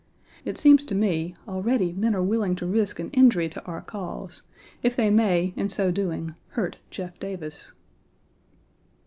It seems to me already men are willing to risk an injury to our cause, if they may in so doing hurt Jeff Davis.